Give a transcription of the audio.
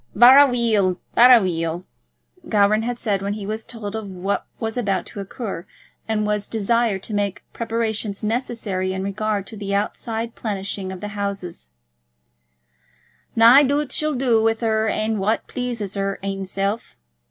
"Varra weel; varra weel," Gowran had said when he was told of what was about to occur, and was desired to make preparations necessary in regard to the outside plenishing of the house; "nae doobt she'll do with her ain what pleases her ainself.